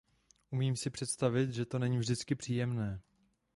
Umím si představit, že to není vždycky příjemné.